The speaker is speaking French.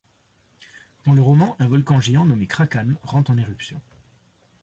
Dans le roman, un volcan géant nommé Krakan rentre en éruption.